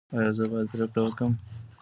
ایا زه باید پریکړه وکړم؟